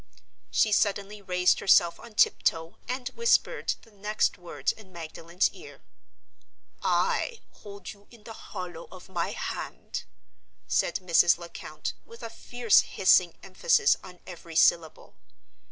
She suddenly raised herself on tiptoe and whispered the next words in Magdalen's ear. "I hold you in the hollow of my hand!" said Mrs. Lecount, with a fierce hissing emphasis on every syllable.